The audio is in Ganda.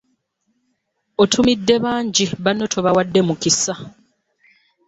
Otumidde bangi banno tobawadde mukisa!